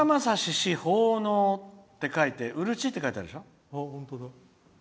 氏奉納って書いて「うるち」って書いてあるでしょ。